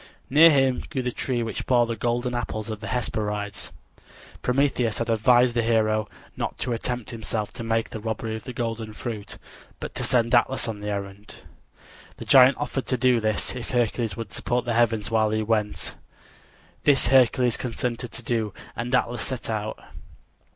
Near him grew the tree which bore the golden apples of the Hesperides. Prometheus had advised the hero not to attempt himself to make the robbery of the golden fruit, but to send Atlas on the errand. The giant offered to do this if Hercules would support the heavens while he went. This Hercules consented to do, and Atlas set out.